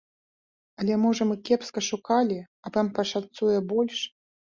Але, можа, мы кепска шукалі, а вам пашанцуе больш?